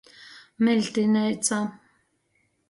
Miļtineica.